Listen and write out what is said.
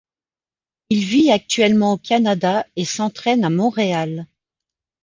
Il vit actuellement au canada et s’entraîne à Montréal.